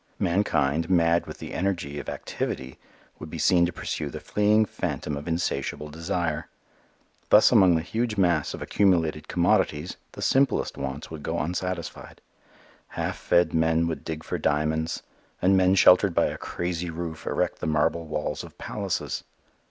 Mankind, mad with the energy of activity, would be seen to pursue the fleeing phantom of insatiable desire. Thus among the huge mass of accumulated commodities the simplest wants would go unsatisfied. Half fed men would dig for diamonds, and men sheltered by a crazy roof erect the marble walls of palaces.